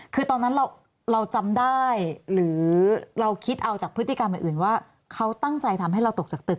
คือตอนนั้นเราจำได้หรือเราคิดเอาจากพฤติกรรมอื่นว่าเขาตั้งใจทำให้เราตกจากตึก